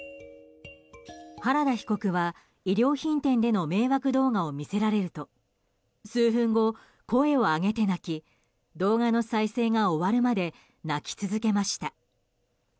原田被告は、衣料品店での迷惑動画を見せられると数分後、声をあげて泣き動画の再生が終わるまで泣き続けました。